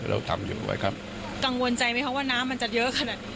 เราทำอยู่บ่อยครับกังวลใจไหมคะว่าน้ำมันจะเยอะขนาดนี้